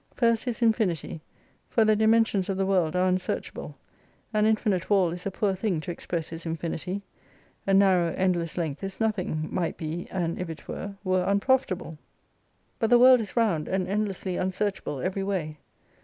First, His infinity ; for the dimensions of the world are unsearchable. An infinite wall is a poor thing to express His infinity. A narrow endless length is nothing : might be, and if it were, were unprofitable. But the world is round, and endlessly unsearchable every way.